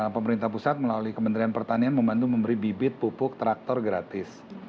pemerintah pusat melalui kementerian pertanian membantu memberi bibit pupuk traktor gratis